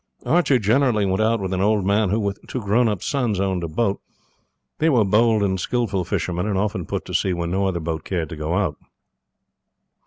Archie generally went out with an old man, who with two grownup sons owned a boat. They were bold and skilful fishermen, and often put to sea when no other boat cared to go out.